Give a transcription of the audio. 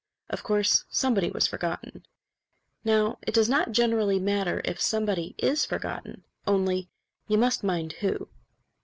Of course somebody was forgotten. Now it does not generally matter if somebody is forgotten, only you must mind who.